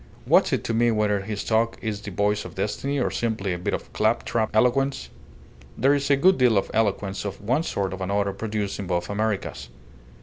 What's it to me whether his talk is the voice of destiny or simply a bit of clap trap eloquence? There's a good deal of eloquence of one sort or another produced in both Americas.